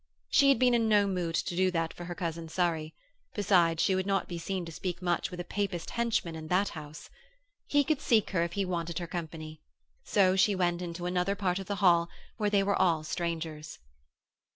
She had been in no mood to do that for her cousin Surrey; besides, she would not be seen to speak much with a Papist henchman in that house. He could seek her if he wanted her company, so she went into another part of the hall, where they were all strangers.